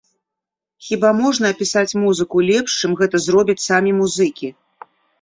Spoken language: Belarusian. Хіба можна апісаць музыку лепш, чым гэта зробяць самі музыкі?